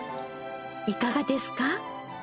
いかがですか？